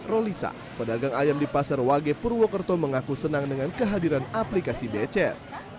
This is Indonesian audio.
rolisa pedagang ayam di pasar wage purwokerto mengaku senang dengan kehadiran aplikasi bcr